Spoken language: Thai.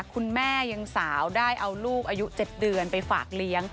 คุณแม่ยังสาวได้เอาลูกอายุ๗เดือนไปฝากเลี้ยง